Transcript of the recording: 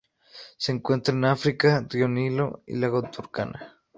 Se encuentran en África: río Nilo y lago Turkana.